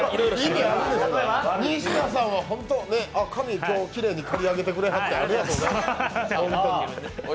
西田さんは今日髪きれいに借り上げてくださってありがとうございます。